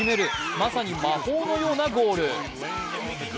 まさに魔法のようなゴール。